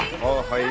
はい。